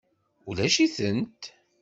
Ulac-itent.